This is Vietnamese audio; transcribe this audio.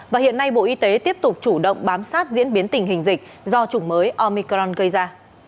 và hiện nay bộ y tế tiếp tục chủ động bám sát diễn biến tình hình dịch do chủng mới omicron gây ra